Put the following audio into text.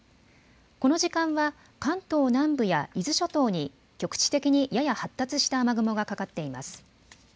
この時間は関東南部や伊豆諸島に局地的にやや発達した雨雲がかかっています。